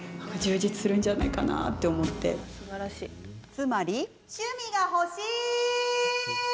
つまり趣味が欲しい！